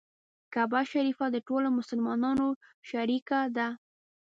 کعبه شریفه د ټولو مسلمانانو شریکه ده.